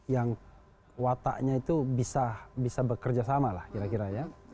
yang wataknya itu bisa bekerja sama lah kira kira ya